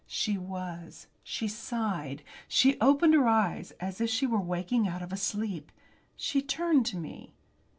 She was. She sighed. She opened her eyes, as if she were waking out of sleep. She turned to me.